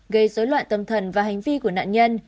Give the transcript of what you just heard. gây dối loạn tâm thần và hành vi của nạn nhân